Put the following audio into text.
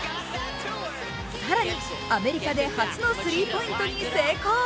更に、アメリカで初のスリーポイントに成功。